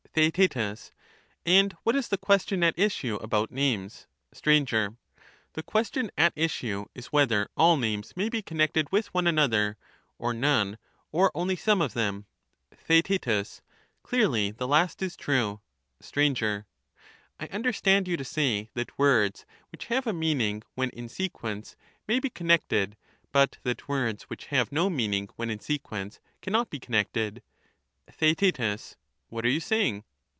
Theaet And what is the question at issue about names ? As with Str. The question at issue is whether all names may be letters, 1.1 1 1 /• I *o with connected with one another, or none, or only some of them, names : Theaet. Clearly the last is true. ^^y some Str. I understand you to say that words which have a connected, meaning when in sequence may be connected, but that words which have no meaning when in sequence cannot be con nected ? Theaet. What are you saying